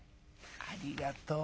「ありがとう。